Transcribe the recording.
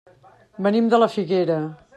Venim de la Figuera.